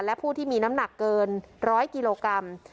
และผู้ที่มีน้ำหนักเกิน๑๐๐กิโลกรัม